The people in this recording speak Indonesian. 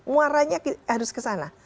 muaranya harus kesana